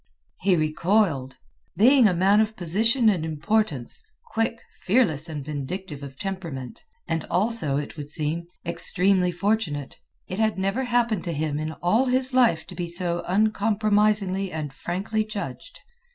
He recoiled. Being a man of position and importance, quick, fearless, and vindictive of temperament—and also, it would seem, extremely fortunate—it had never happened to him in all his life to be so uncompromisingly and frankly judged.